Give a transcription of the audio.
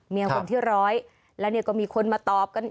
เมียคนที่๑๐๐แล้วก็มีคนมาตอบกัน